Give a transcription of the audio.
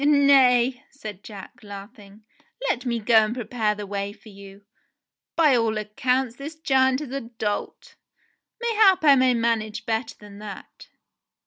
"Nay," said Jack, laughing. "Let me go and prepare the way for you. By all accounts this giant is a dolt. May hap I may manage better than that."